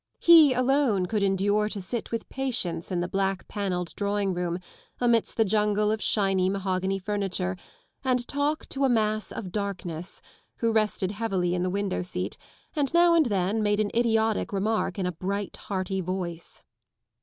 He alone could endure to sit with patience in the black*panelled drawing room amidst the jungle of shiny mahogany furniture and talk to a mass of darkness, who rested heavily in the window=seat and now and then made an idiotic remark in a bright, hearty voice.